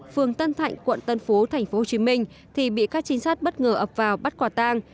phường tân thạnh quận tân phú thành phố hồ chí minh thì bị các chính sát bất ngờ ập vào bắt quả tang